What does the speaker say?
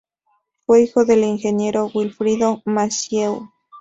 Fue hijo del ingeniero Wilfrido Massieu.